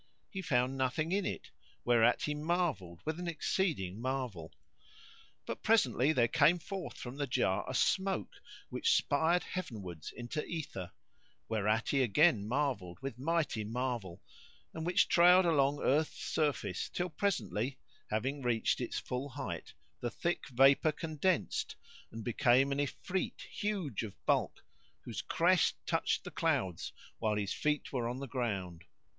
He found nothing in it; whereat he marvelled with an exceeding marvel. But presently there came forth from the jar a smoke which spired heavenwards into aether (whereat he again marvelled with mighty marvel), and which trailed along earth's surface till presently, having reached its full height, the thick vapour condensed, and became an Ifrit, huge of bulk, whose crest touched the clouds while his feet were on the ground.